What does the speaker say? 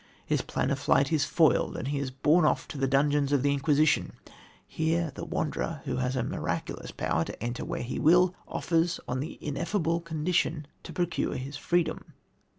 His plan of flight is foiled, and he is borne off to the dungeons of the Inquisition. Here the Wanderer, who has a miraculous power to enter where he will, offers, on the ineffable condition, to procure his freedom.